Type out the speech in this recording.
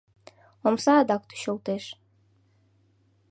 Омса адак тӱчылтеш.